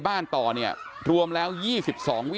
ให้เรียกรถพยาบาลด้วย